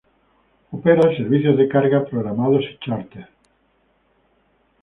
Opera servicios de carga programados y chárter.